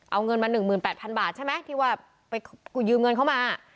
เอาเงินมา๑๘๐๐๐บาทใช่ไหมที่ว่าไปกูยืมเงินเข้ามา